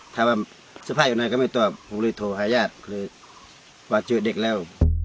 ถามว่าเสื้อผ้าอยู่ไหนก็ไม่ตอบผมเลยโทรหาญาติเลยว่าเจอเด็กแล้ว